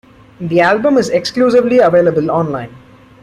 The album is exclusively available online.